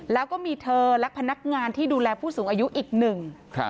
แล้วก็มีเธอและพนักงานที่ดูแลผู้สูงอายุอีกหนึ่งครับ